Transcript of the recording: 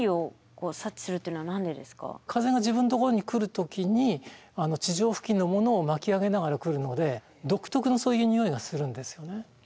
風が自分のところに来る時に地上付近のものを巻き上げながら来るので独特のそういうにおいがするんですよね。